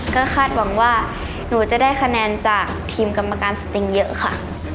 ก็คาดหวังว่าหนูจะได้คะแนนจากทีมกรรมการสติงเยอะค่ะ